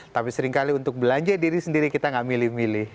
tapi seringkali untuk belanja diri sendiri kita nggak milih milih